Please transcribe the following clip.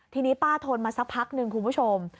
ทีนี้ป้าทนมาสักพักหนึ่งคุณผู้ชม